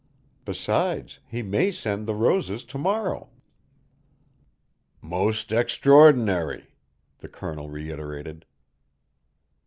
Besides, he may send the roses to morrow." "Most extraordinary!" the Colonel reiterated.